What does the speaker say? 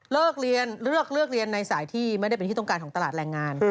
เลิกเรียนเลือกเลือกเรียนในสายที่ไม่ได้เป็นที่ต้องการของตลาดแรงงาน